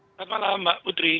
selamat malam mbak putri